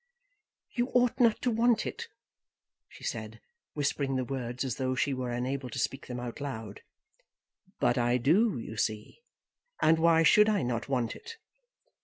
"You ought not to want it," she said, whispering the words as though she were unable to speak them out loud. "But I do, you see. And why should I not want it?"